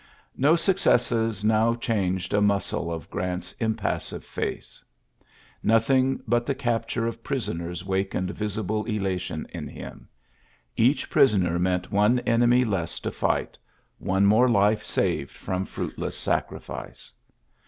No successes now changed a mu of Grant^s impassive face. Nothing the capture of prisoners wakened vi elation in him. Each prisoner n one enemy less to fight, one mor« saved from fruitless sacrifice.